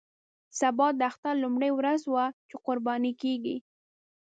سبا د اختر لومړۍ ورځ وه چې قرباني کېږي.